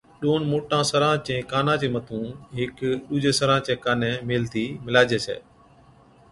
ڏونَ موٽان سران چين ڪانان چي مَٿُون ھيڪ ڏُوجي سران چي ڪاني ميلهتِي مِلاجي ڇَي